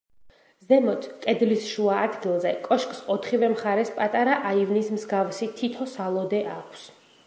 ზემოთ, კედლის შუა ადგილზე, კოშკს ოთხივე მხარეს პატარა აივნის მსგავსი თითო სალოდე აქვს.